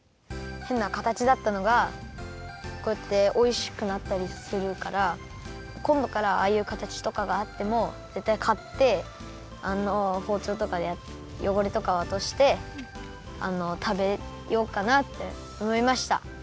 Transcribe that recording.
変な形だったのがこうやっておいしくなったりするからこんどからはああいう形とかがあってもぜったいかってあのほうちょうとかでよごれとかをおとしてたべようかなっておもいました。